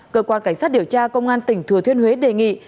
cơ quan cảnh sát điều tra công an tỉnh thừa thiên huế đề nghị